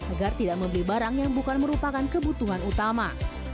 agar tidak membeli barang yang bukan merupakan kebutuhan utama